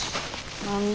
何で？